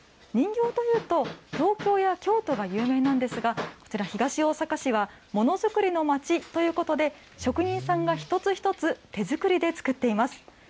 人形というと、東京や京都が有名なんですが、こちら、東大阪市は、モノづくりの街ということで、職人さんが一つ一つ、手作りで作っています。